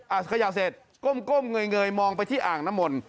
ขยะเสร็จก้มเงยมองไปที่อ่างน้ำมนต